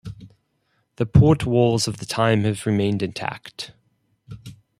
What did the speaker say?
The port walls of the time have remained intact.